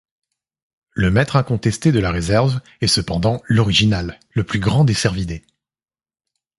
Le maître incontesté de la réserve est cependant l'orignal, le plus grand des cervidés.